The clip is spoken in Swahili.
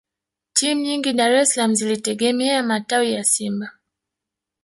timu nyingi dar es salaam zilitegemea matawi ya simba